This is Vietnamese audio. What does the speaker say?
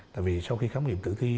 tại vì sau khi khám nghiệm tử thi